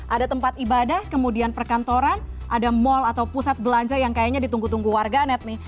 ada tempat ibadah kemudian perkantoran ada mal atau pusat belanja yang kayaknya ditunggu tunggu warganet nih